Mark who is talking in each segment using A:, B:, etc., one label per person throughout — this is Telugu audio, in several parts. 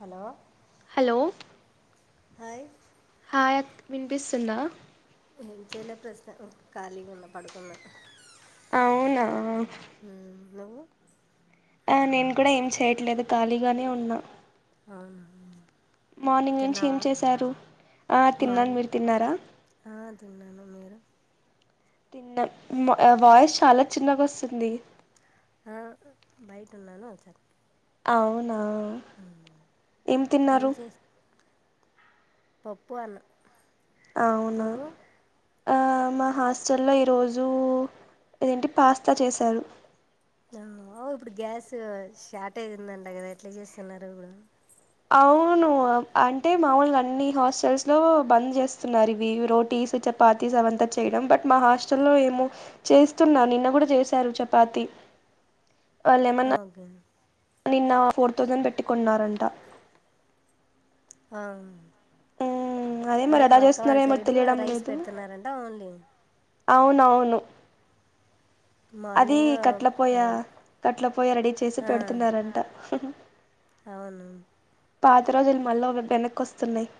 A: హలో
B: హలో
A: హయ్
B: హాయక్ వినిపిస్తుందా
A: ఏంచేలే ప్రస్తుతానికి కాలిగున్న పడుకున్న
B: అవునా
A: మ్ నువ్వు
B: ఆ నేను కూడా ఏం చేయట్లేదు ఖాళీగానే ఉన్నా
A: ఆవును
B: మార్నింగ్ నుంచి ఏం చేశారు ఆ తిన్నాను మీరు తిన్నారా
A: ఆ, తిన్నాను మీరు
B: తిన్న ఉమ్ వాయిస్ చాలా చిన్నగా వస్తుంది.
A: ఆ ఉ బయట ఉన్నాను సార్
B: అవునా ఏం తిన్నారు?
A: పప్పు అన్
B: అవునా? ఆ మా హాస్టల్లో ఈరోజు ఏదేంటి పాస్తా చేశారు.
A: ఆ ఇప్పుడు గ్యాస్ షార్టేజ్ ఉందంట కదా ఎట్లా చేస్తున్నారు ఇబుడు
B: అవును అంటే మాముూలుగా అన్ని హాస్టల్స్ లో బంద్ చేస్తున్నారు ఇవి రోటీ చపాతీస్ అవంతా చేయడం బట్ మా హాస్టల్ లో ఏమో చేస్తున్నా నిన్న కూడా చేసారు చపాతీ వాళ్ళేమన్నా
A: ఓకే అండి
B: నిన్న ఫోర్ థౌజండ్ పెట్టి కొన్నారంట.
A: ఆమ్
B: హ్మ్. మరి
A: అదే
B: ఎలా
A: మా అక్క వాళ్ళ
B: జేస్తున్నారేమో
A: సైడు
B: తెలియడం
A: రైస్
B: లేదు.
A: పెడుతున్నారంట ఓన్లీ
B: అవునవును. అది
A: మార్నింగ్
B: కట్ల పొయా కట్ల పోయ రెడీ చేసి పెడుతున్నారంట.
A: అవును.
B: పాత రోజులు మళ్ళ వెనక్కొస్తున్నాయ్.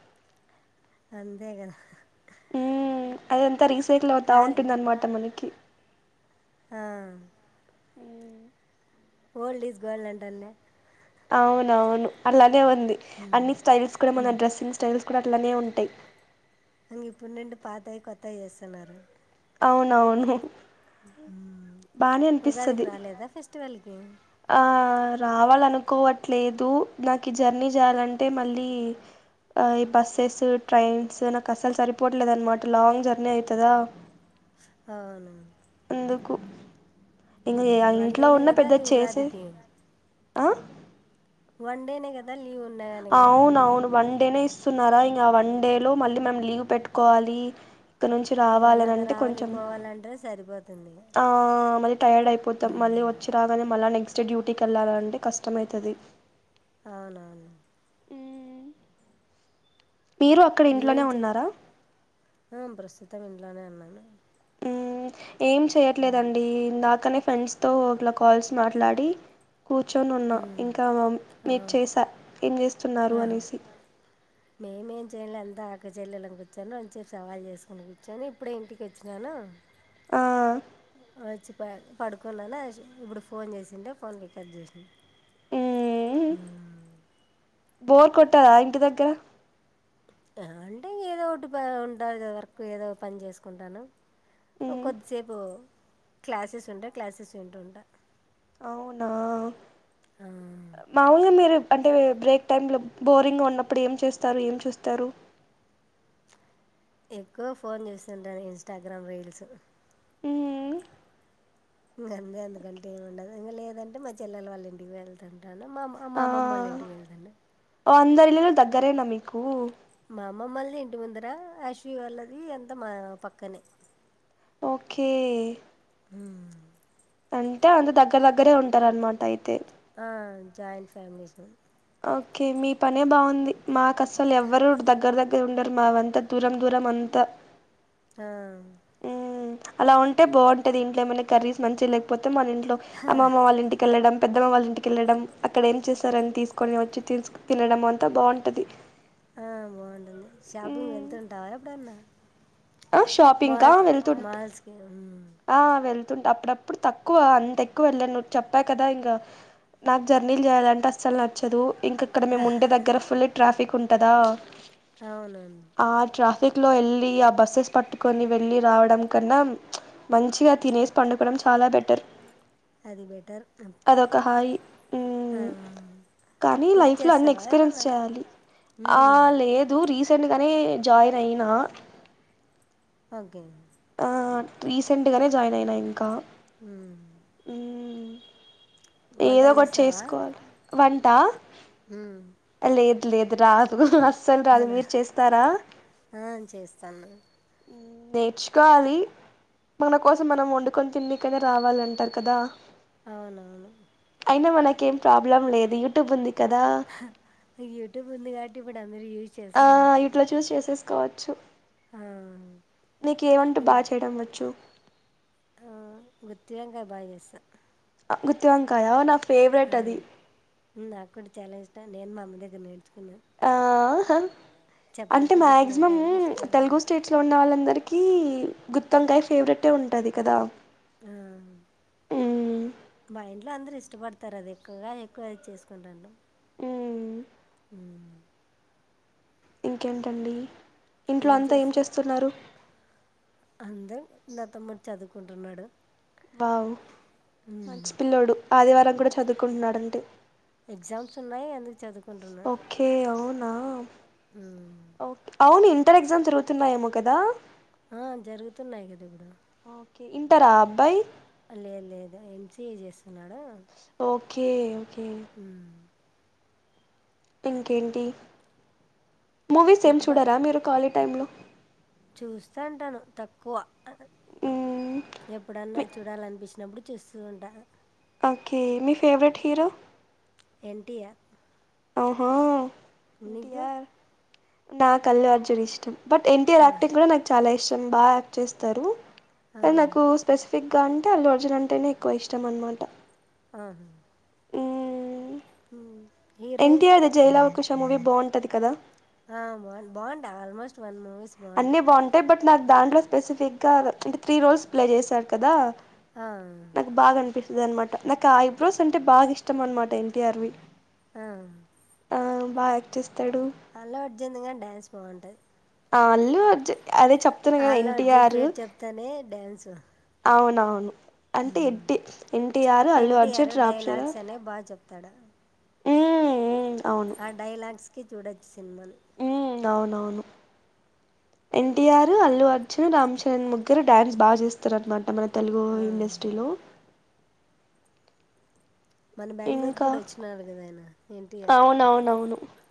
A: అంతే కదా
B: అదంతా రీసైకిల్ అవుతా
A: కానీ
B: ఉంటుంది అన్నమాట మనకి
A: ఆ
B: ఉమ్
A: ఓల్డ్ ఈస్ గోల్డ్ అంటాన్నే
B: అవున అవును అలానే ఉంది అన్ని స్టైల్స్ కూడా మన డ్రస్సింగ్ స్టైల్స్ అక్కడ అట్లనే ఉంటాయ్.
A: ఇంగ ఇప్పుడ్నుండి పాతయి కొత్తవి చేస్తున్నారు.
B: అవునవును.
A: మ్మ్
B: బానే
A: ఉగాదికి
B: అనిపిస్తది
A: రాలేదా ఫెస్టివల్కి
B: ఆ రావాలనుకోవట్లేదు నాకు ఈ జర్నీ చేయాలంటే మళ్ళీ ఈ బస్సెస్ ట్రైన్స్ నాకు అస్సలు సరిపోవట్లేదు అనమాట లాంగ్ జర్నీ అయితదా
A: అవును.
B: దుకు
A: వన్డేనే గదా అది ఉగాదికి
B: ఆ
A: వన్డేనే కదా లీవు
B: అవును అవును వన్ డేనే ఇస్తున్నారా ఇంకా వన్ డే లో మళ్ళీ మేము లీవ్ పెట్టుకోవాలి ఇక్క నుంచి
A: మళ్ళా ఇంగ
B: రావాలనింటే
A: రావాలి
B: కొంచెం
A: పోవాలంటే సరిపోతుంది
B: ఆ మరి టైర్డ్ అయిపోతాం మళ్ళీ
A: మ్మ్
B: వచ్చి రాగానే మళ్ళీ నెక్స్ట్ డే డ్యూటీకి వెళ్ళాలంటే కష్టమయితది
A: అవునవును.
B: మీరు అక్కడ ఇంట్లోనే
A: నువ్వేం చేస్
B: ఉన్నారా
A: ఆ ప్రస్తుతం ఇంట్లోనే ఉన్నాను.
B: మ్ ఏం చేయట్లేదండి ఇందాకనే ఫ్రెండ్స్ తో ఇట్లా కాల్స్ మాట్లాడి కూర్చొని ఉన్నా
A: మ్మ్
B: ఇంకా
A: ఆ
B: మీకు చేసా ఏం చేస్తున్నారు
A: ఆహా
B: అనేసి
A: మేమేం చేయన్లే అంత అక్క చెల్లెళ్ళం కుర్చొని కొంసేపు సవాల్ చేసుకుని కూర్చొని ఇప్పుడే ఇంటికి వచ్చినాను.
B: ఆ
A: వచ్చి ప పడుకున్నాన ఇప్పుడు ఫోన్ చేసిండే ఫోన్ రికార్ట్ చేస్నా
B: మ్మ్
A: ఉమ్
B: బోర్ కొట్టాదా ఇంటి దగ్గర
A: అంటే ఏదో ఒకటి ఉంటాది కదా వర్క్ ఏదో పని చేసుకుంటాను. ఓ
B: మ్మ్
A: కొద్దిసేపు క్లాసెస్ ఉంటాయి క్లాసెస్ వింటుంటా.
B: అవునా అ మాములుగా మీరు అంటే బ్రేక్ టైంలో బోరింగా ఉన్నప్పుడు ఏం చేస్తారు ఏం చూస్తారు?
A: ఎక్కువ ఫోన్ చూస్తుంటాను ఇన్స్టాగ్రామ్ రీల్స్
B: హూమ్మ్
A: ఇంక అంతే అంతకంటే ఏం ఉండదు. ఇంకా లేదంటే మా చెల్లల వాళ్ళ ఇంటికి వెళ్తాను. టాను మా మా
B: ఆ
A: మమమ్మోలింటికి వెళ్తాను.
B: ఓ అందరిల్లులు దగ్గరేనా మీకు?
A: మా అమ్మమ్మోల్ది ఇంటి ముందర అశ్వి వాళ్ళది ఎంత మా పక్కనే
B: ఓకే
A: హుమ్మ్
B: అంటే అందరు దగ్గర దగ్గరే ఉంటారనమాట అయితే
A: ఆ జాయింట్ ఫ్యామిలీస్
B: ఓకే మీ పనే బాగుంది మాకు అస్సలు ఎవరు దగ్గర దగ్గర ఉండరు మావంత దూరం దూరం అం త
A: ఆ
B: అలా ఉంటే బావుంటది ఇంట్లో ఏమైనా కర్రీస్ మంచిగా లేకపోతే మన ఇంట్లో అమ్మమ వాళ్ళ ఇంటికెళ్ళడం. పెద్దమ్మ వాళ్ళ ఇంటికెళ్ళడం అక్కడ ఏం చేశారని తీస్కొని వచ్చి తీస్ తినడం అంత బావుంటది.
A: ఆ బావుంటుంది షాపింగ్ వెళ్తుంటావా ఎప్పుడన్నా?
B: ఆ షాపింక్కా
A: మాల్
B: వెళ్తుంట్
A: మాల్స్కి
B: ఆ వెళ్తుంటా అప్పుడప్పుడు తక్కువ అంత ఎక్కువ వెళ్ళను చెప్పా కదా ఇంగా నాకు జర్నీలు చేయాలంటే అస్సలు నచ్చదు. ఇంక ఇక్కడ మేము ఉండే దగ్గర ఫుల్ ట్రాఫిక్ ఉంటదా
A: అవునవును
B: ఆ ట్రాఫిక్ లో వెళ్ళి ఆ బస్సెస్ పట్టుకొని వెళ్ళి రావడం కన్నా మంచిగా తినేసి పండుకోవడం చాలా బెటర్.
A: అది బెటర్
B: అదొక హాయి
A: ఆ
B: మ్ కానీ
A: కుక్
B: లైఫ్ లో అన్ని
A: చేస్తావా
B: ఎక్స్పీరియన్స్
A: ఏమన్నా
B: చేయాలి ఆ
A: హ్మ్.
B: లేదు రీస్ సెంట్ గానే జాయిన్ అయినా.
A: వంకాయ
B: ఆ రీసెంట్ గనే జాయిన్ అయినా ఇంకా.
A: ఊమ్
B: మ్ ఏదో ఒకటి చేసుకోవాలి వంటా
A: హుమ్
B: లేదు రాదు అస్సలు రాదు
A: అవునా
B: మీరు చేస్తారా
A: ఆ చేస్తాన్నా
B: ఊమ్ నేర్చుకోవాలి మన కోసం మనం వండుకొని తిన్నికైన రావాలంటారు కదా
A: అవునవును
B: ట్లో వాళ్లకేం ప్రాబ్లమ్ లేదు యూట్యూబ్ ఉంది కదా
A: హ్ యూట్యూబ్ ఉంది కాబట్టి ఇప్పుడు అందరు యూజ్ చేస్తున్నారు.
B: కావచ్చు
A: ఆ!
B: నీకే వంట
A: ఉమ్,
B: బాగా చేయడం వచ్చు
A: ఆ గుత్తి వంకాయ బాగా చేస్తా
B: గుత్తి వంకాయ నా ఫేవరెట్
A: ఆ
B: అది
A: నాక్కూడా చాలా ఇష్టం నేను మమ్మీ దగ్గర నేర్
B: హమ్ అంటే
A: చపాతి గుత్తి
B: మాక్సిమం
A: వంకాయ అంటే ఇష్టం
B: తెలుగు స్టేట్స్ లో ఉన్న వాళ్ళన్ దరికి గుత్తొంకాయ ఫేవరెట్టే ఉంటది కదా
A: ఆ,
B: మ్మ్
A: మా ఇంట్లో అందరు ఇష్టపడతారు అది ఎక్కువగా ఎక్కువ అదే చేసుకుంటాంటం
B: మ్మ్
A: ఊమ్
B: ఇంకేంటండి ఇంట్లో అంతా ఏం చేస్తున్నారు?
A: నచిన్న తమ్ముడు చదువుకుంటున్నాడు.
B: వావ్
A: ఉమ్,
B: మంచి పిల్లోడు ఆదివారం కూడా చదువుకుంటున్నాడంటే
A: ఎగ్జామ్స్ ఉన్నాయి అని చదువు
B: ఓకే అవునా ఓక అవును ఇంటర్ ఎగ్జామ్ జరుగుతున్నాయేమో కదా
A: ఆ జరుగుతున్నాయి కదా ఇప్పుడు
B: ఓకే ఇంటారా అబ్బాయి
A: లేదు లేదు ఏం సి ఏ చేస్తున్నాడు
B: కే
A: హ్మ్
B: ఇంకేంటి మూవీస్ ఏం చూడరా మీరు ఖాళీ టై లో
A: చూస్తా అంటాను తక్కువ
B: మ్మ్
A: ఎప్పుడన్నా
B: మీ
A: చూడాలనిపించినప్పుడు చూస్తు ఉంటాను
B: ఓకే మీ ఫేవరెట్ హీరో
A: ఎన్టీఆర్
B: అహా
A: నీకు
B: ఏంటియార్ నా అల్లు అర్జున్ ఇష్టం బట్ ఎన్టీఆర్
A: ఆ,
B: యాక్టింగ్ కూడా నాకు చాలా ఇష్టం బాగా యాక్ట్ చేస్తారు
A: ఆ,
B: కానీ నాకు స్పెసిఫిక్ ఇంకా అంటే అల్లు అర్జున అంటేనే ఎక్కువ ఇష్టం అనమాట
A: ఆహా
B: హ్మ్మ్
A: హ్మ్
B: ఎన్టీఆర్ జయలావకుష మూవీ బాగుంటది కదా
A: ఆ బాగు బాగుంటాయి ఆల్మోస్ట్ వన్ మూ
B: అన్నీ బాగుంటాయి బట్ నాకు దాంట్లో స్పెసిఫిక్ గా అంటే త్రీ రోల్స్ ప్లే చేశారు కదా
A: ఆ,
B: నాకు బాగా అనిపిస్తు ఇదనమాట నాకు ఆ ఐబ్రోస్ అంటే బాగా ఇష్టం అనమాట ఎన్టీఆర్వి
A: ఆ
B: అ బాగా యాక్ట్ చేస్తా
A: అల్లు అర్జున్ గాని డాన్స్ బంటది
B: అల్లు అర్జున్ అదే చెప్తున్నా కదా
A: అల్లు అర్జున్
B: ఎన్టీఆర్
A: పేరు చెప్తానే డ్యాన్సు
B: అవును అంటే ఏంటి అర్ అల్లుు అర్జున్ రాంచరణ్
A: తడ
B: ఉమ్మ్మ్
A: ఆ డైలాగ్స్ కి చూడొచ్చు సినిమాలు
B: మ్మ్ అవునవును ఎన్టీఆర్ అల్లు అర్జున్ రామ్ చరణ్ ముగ్గురు డడాన్స్ బాగా చేస్తారునమాట మన తెలుగు
A: ఆ.
B: ఇండస్ట్రీలో
A: మన బెంగళూరుకి
B: ఇంకా
A: కూడా వచ్చినడు కదా ఆయన ఎన్టీఆర్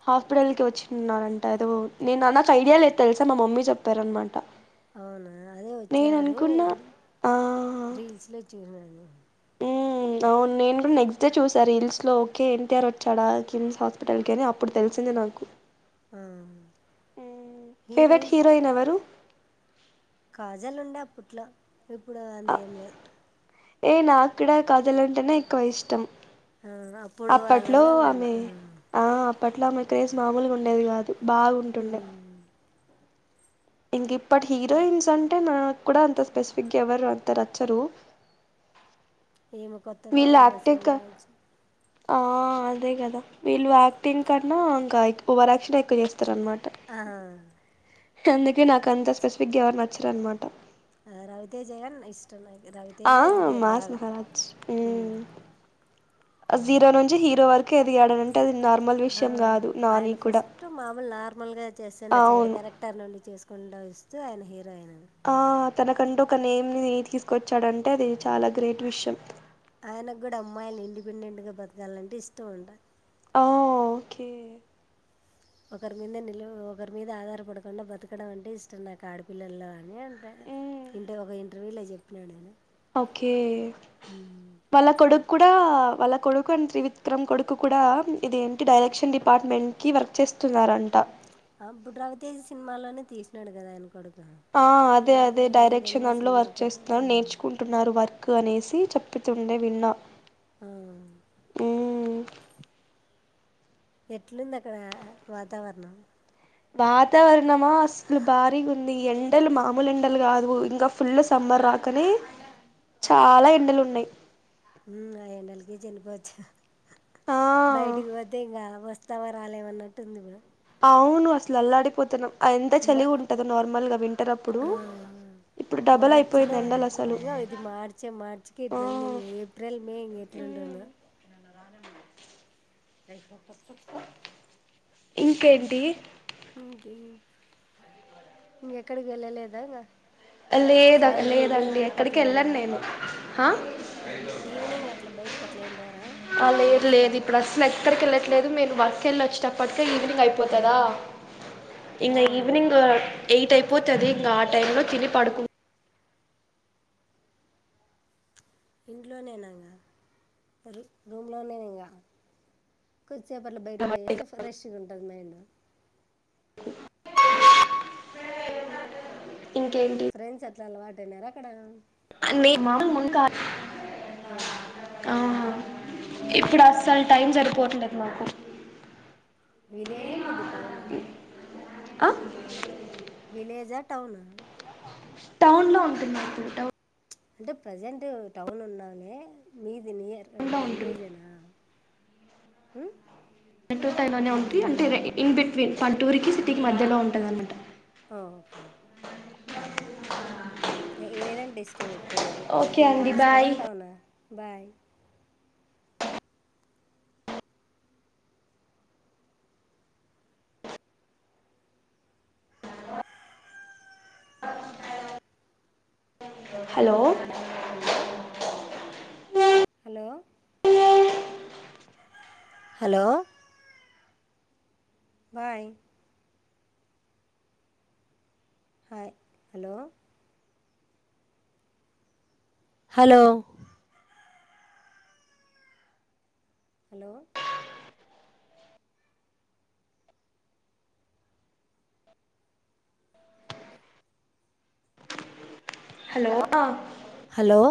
B: హాస్పిటల్ కి వచ్చిన్నారంట ఏదో నేను నా నాకు ఐడియా లేదు తెలుసా మా మమ్మీ చెప్పారనమాట
A: అవును అదే
B: నేను
A: వచ్చారని
B: అనుకున్నా ఆ
A: రీల్స్ లో చూసను
B: హ్మ్ వును నేను కూడా నెక్స్ట్ డే చూశారు రీల్స్ లో ఓకే ఎన్టీఆర్ వచ్చాడా కిమ్స్ హాస్పిటల్ కి అని అప్పుడు తెలిసింది నా నాకు
A: ఆ
B: మ్మ్ ఫేవరెట్ హీరోయిన్ ఎవరు
A: కాజల్ ఉండే అప్పట్లో ఇప్పుడు
B: అ
A: అంతెం లేదు
B: ఏ నాక్కడ కాజల్ అంటేనే ఎక్కువ ఇష్టం
A: ఆ, అప్పుడు
B: అప్పట్లో
A: వాళ్ళలో గమ
B: ఆమె ఆ అప్పట్లో ఆమె క్రేజ్ మామూలుగా ఉండేది కాదు బాగుంటుండే ఇంక ఇప్పట్ హీరోయిన్స్ అంటే నాకు కూడా అంత స్పెసిఫిక్గా ఎవరు అంత రచ్చరు
A: ఏమో కొత్తగా ఒక
B: యాక్టింగ్
A: సినిమా
B: క
A: వచ్చి
B: ఆ అదే కదా వీళ్ళు యాక్టింగ్ కన్నా ఇంకా ఏక్ ఓవరాక్షన్ ఎక్కువ చేస్తారన్నమాట
A: ఆ
B: అందుకే నాక్ అంత
A: చి-
B: స్పెసిఫిక్ గా ఎవరు నచ్చరు అన్నమా
A: ఆ రవితేజ గాని ఇష్టం అయిన్
B: ఆ మాస్ మహారాజ్ ఉమ్ జీరో నుంచి హీరో వరకు ఎదిగాడు అని అంటే అది నార్మల్
A: ఆ
B: విషయం కాదు నాని
A: ఆయన
B: కూడా
A: ఫస్ట్ మామూలు నార్మల్ గా చేస్తుండ సైడ్
B: అవును
A: క్యారెక్టర్ నుండి చేసుకుండా వస్ స్తే ఆయన హీరో అయినాడు
B: ఆ తనకంటూ ఒక నేమ్ ని తీసుకొచ్చాడంటే అది చాలా గ్రేట్ విషయం
A: ఆయనకు కూడా అమ్మాయిలు ఇండిపెండెంట్ గా బతకాలంటే ఇష్టం అంట
B: ఓ ఓకే
A: ఒకరి మింద నిల్వ ఒకరి మీద ఆధారపడకుండా బతకడం అంటే ఇష్టం నాకు ఆడపిల్లల్లో ఏంటే
B: మ్మ్
A: ఇంటే ఒక ఇంటర్వ్యూలో చెప్పినాడు నేను
B: ఓకే పళ్ళ కొడు కూడా వాళ్ళ కొడుకు అండ్ త్రివిక్రమ్ కొడుకు కూడా ఇది ఏంటి డైరెక్షన్ డిపార్ట్మెంట్ కి వర్క్ చే స్తున్నారంట
A: ఆ బుడ్రావతి సినిమాలోనే తీసినాడు కదా ఆయన కొడు
B: ఆ అదే అదే డైరెక్షన్ దాంట్లో
A: సినిమా
B: వర్క్
A: పేరు
B: చేస్తున్నారు
A: ఉమ్.
B: నేర్చుకుంటున్నారు వర్ కు అనేసి చెప్పుతుండే విన్నా
A: ఆ.
B: ఉ
A: ఎట్లుంది అక్కడ వాతావరణం
B: వాతావరణమా అసలు భారీగా ఉంది ఎండలు మామూలు ఎండలు కాదు ఇంకా ఫుల్ సమ్మ రాకనే చాలా ఎండలు ఉన్నాయి
A: ఉమ్ ఆ ఎండలకే చనిపోవచ్చు
B: ఆ
A: బయటికి పోతే ఇంకా వస్ తవరాలేమన్నట్టుంది ఇపుడు
B: అవును అసలు అల్లాడిపోతున్నాం ఎంత చలి
A: మ-
B: ఉంటందో నార్మల్గా వింటర్ అప్పుడు ఇప్పుడు డబల్
A: మార్చ్
B: అయిపోయింది
A: లో
B: ఎండలు అసలు
A: ఇంగా ఇది మార్చే మార్చికి ఇట్లా ఉంది
B: ఆ
A: ఇంగా ఏప్రిల్ మే ఇంకెట్ల ఉంటు డునా
B: ఇంకేంటి
A: ఉమ్ ఇంకెన్ ఇంకెక్కడికి వెళ్ళలేదా ఇంగా
B: లేద లేదండి ఎక్కడికి వెళ్ళను
A: వెళ్ళవా?
B: నేను హ
A: ఈవినింగ్ అట్లా బయటకి అట్లా ఏం పోరా
B: ఆ లేదు
A: ఫ్రెండ్స్ తో
B: లేదు ఇప్పుడు అసలు ఎక్కడికి వెళ్ళట్లేదు నేను వర్క్ వేలోచ్చేటప్పటిక ఈవినింగ్ అయిపోతదా ఇంగ
A: అవును.
B: ఈవెనింగ్ ఎయిట్ అయిపోతాది ఇంగ ఆ టైంలో తిని పడుకుం
A: ఇంట్లోనే ఇంగ రూ రూమ్లోనే ఇంగా కొద్దిసేపు అట్లా బయటికి పోయి వస్తే ఫ్రెష్ గా ఉంటది మైండ్
B: ఇంకేంటి
A: ఫ్రెండ్స్ అట్లా అలవాటైనారా అక్కడ
B: [unintelligible]
A: ఆహా!
B: ఆ ఇప్పుడు అసలు టైం
A: ప
B: సరిపోవట్లేదు మాకు
A: విలేజా మీది టౌనా
B: ఆ
A: విలేజా టౌనా
B: టౌన్ లో ఉంటుందనుకుంటా
A: అంటే ప్రజెంట్ టౌన్ ఉన్నావులే మీది నియర్
B: కుంట ఉంటుంది
A: ఉ
B: పంటూరుతైలోనే ఉంటి అంటే రే ఇన్ బిట్వీన్ పట్టురుకి సిటీకి మధ్యలో ఉంటుందన్నమాట
A: ఆ ఓకే ఏదంటే ఇష్టం ఎక్కువ నీకు
B: ఓకే
A: పల్లెటూరంటె
B: అండి
A: ఇష్టమా
B: బాయ్
A: టౌన bye
B: hello
A: hello hello hello bye hi hello hello hello
B: hello
A: hello